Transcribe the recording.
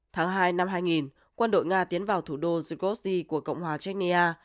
tháng hai năm hai nghìn quân đội nga tiến vào thủ đô zyugosti của cộng hòa chechnya